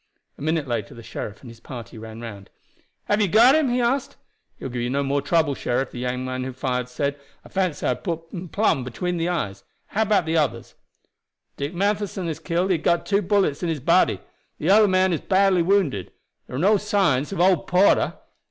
A minute later the sheriff and his party ran round. "Have you got him?" he asked. "He will give no more trouble, sheriff," the young man who fired said. "I fancy I had him plum between the eyes. How about the others?" "Dick Matheson is killed; he got two bullets in his body. The other man is badly wounded. There are no signs of old Porter."